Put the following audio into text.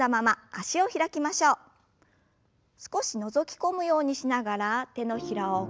少しのぞき込むようにしながら手のひらを返して腕を前に。